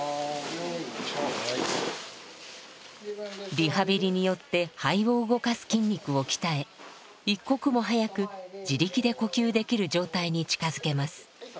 リハビリによって肺を動かす筋肉を鍛え一刻も早く自力で呼吸できる状態に近づけます。